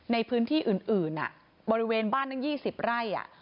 ในพื้นที่อื่นอื่นอ่ะบริเวณบ้านทั้งยี่สิบไร่อ่ะ